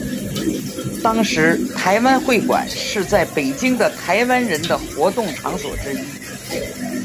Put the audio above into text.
当时台湾会馆是在北京的台湾人的活动场所之一。